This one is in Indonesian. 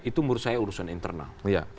itu menurut saya urusan internal